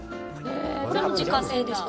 これも自家製ですか？